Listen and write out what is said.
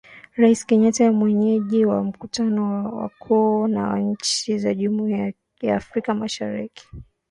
Raisi Kenyatta mwenyeji wa mkutano wa wakuu wa nchi za jumuia ya Afrika ya Mashariki